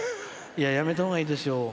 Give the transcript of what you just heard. いや、やめたほうがいいですよ。